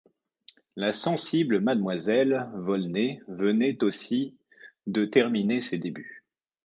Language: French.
La sensible Mademoiselle Volnais venait aussi de terminer ses débuts.